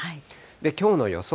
きょうの予想